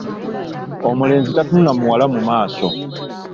Omulenzi tatunula muwala mu maaso.